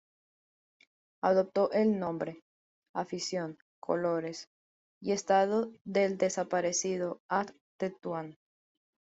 Adoptó el nombre, afición, colores y estadio del desaparecido At. Tetuán.